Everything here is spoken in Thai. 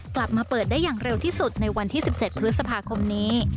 กลับมาเปิดได้อย่างเร็วที่สุดในวันที่๑๗พฤษภาคมนี้